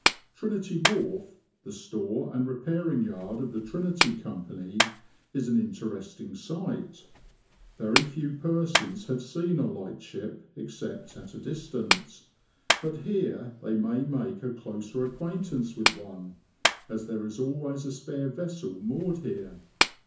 Trinity Wharf, the store and repairing yard of the Trinity Company, is an interesting sight. Very few persons have seen a light ship, except at a distance ; but here they may make a closer acquaintance with one, as there is always a spare vessel moored here.